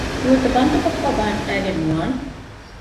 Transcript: ނުވަތަ ބަންދުކޮށްފައި ބަހައްޓައިގެން ނުވާނެ